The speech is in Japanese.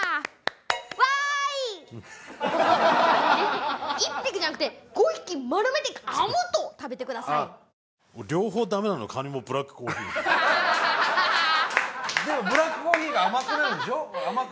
わーい１匹じゃなくて５匹まとめてアムと食べてくださいでもブラックコーヒーが甘くなるんでしょ